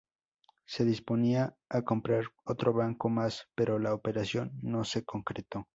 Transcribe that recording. Se disponía a comprar otro Banco más, pero la operación no se concretó.